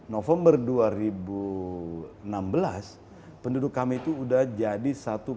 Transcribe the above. november dua ribu enam belas penduduk kami itu sudah jadi satu tujuh ratus enam puluh delapan